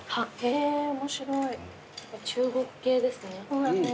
中国系ですね。